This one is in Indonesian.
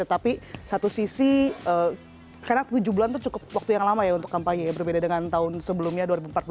tapi satu sisi karena tujuh bulan itu cukup waktu yang lama ya untuk kampanye ya berbeda dengan tahun sebelumnya dua ribu empat belas